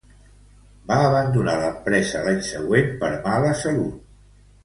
Va abandonar l'empresa l'any següent per mala salut.